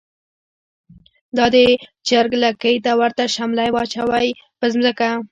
دا د چر ګ لکۍ ته ورته شملی واچوی په ځمکه